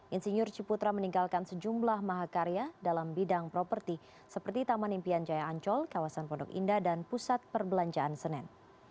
insinyur ciputra meninggalkan sejumlah mahakarya dalam bidang properti seperti taman impian jaya ancol kawasan pondok indah dan pusat perbelanjaan senen